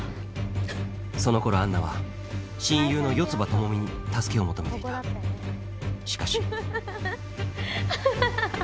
その頃アンナは親友の四葉朋美に助けを求めていたしかしハハハハ！